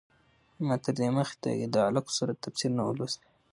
ما تر دې مخکې د علق سورت تفسیر نه و لوستی.